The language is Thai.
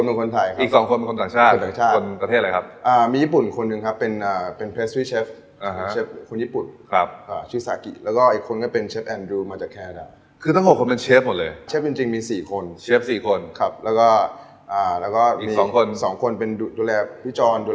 เป็นคนไทยแปลสิบเปอร์เซ็นต์ต่างชาตย์ยี่สิบเปอร์เซ็นต์ได้เปล่า